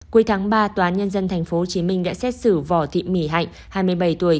cuối tháng ba tòa án nhân dân tp hcm đã xét xử võ thị mỹ hạnh hai mươi bảy tuổi